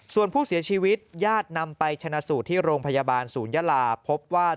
ส่วนผู้เสียชีวิตญาตินำไปชนะสูตรที่โรงพยาบาลศูนยาลาพบว่า